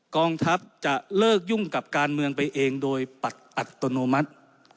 กองทัพจะเลิกยุ่งกับการเมืองไปเองโดยปัดอัตโนมัติ